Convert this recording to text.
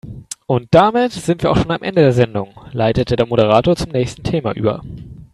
"Und damit sind wir auch schon am Ende der Sendung", leitete der Moderator zum nächsten Thema über.